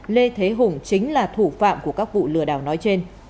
lê thế hùng chính là thủ phạm của các vụ lừa đảo nói trên